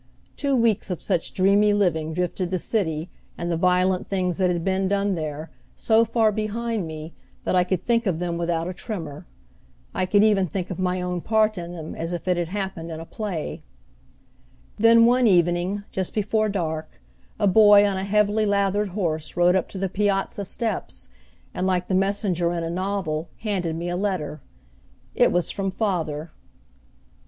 Two weeks of such dreamy living drifted the city, and the violent things that had been done there, so far behind me that I could think of them without a tremor. I could even think of my own part in them as if it had happened in a play. Then one evening, just before dark, a boy on a heavily lathered horse rode up to the piazza steps, and, like the messenger in a novel, handed me a letter. It was from father.